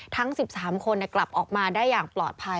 ทั้ง๑๓คนกลับออกมาได้อย่างปลอดภัย